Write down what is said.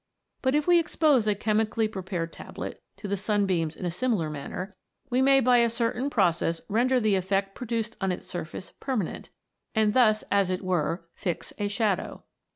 But if we expose a chemically prepared tablet to the sunbeams in a similar manner, we may by a certain process render the effect produced on its surface permanent, and thus as it were fix a shadow.